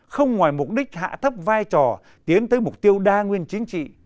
không ngoài mục đích hạ thấp vai trò tiến tới mục tiêu đa nguyên chính trị